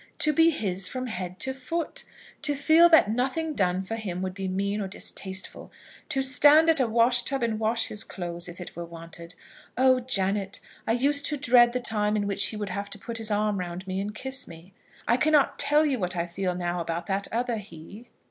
To be his from head to foot! To feel that nothing done for him would be mean or distasteful! To stand at a washtub and wash his clothes, if it were wanted. Oh, Janet, I used to dread the time in which he would have to put his arm round me and kiss me! I cannot tell you what I feel now about that other he.